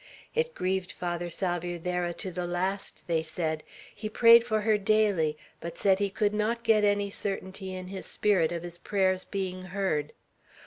It grieved Father Salvierderra to the last, they said; he prayed for her daily, but said he could not get any certainty in his spirit of his prayers being heard.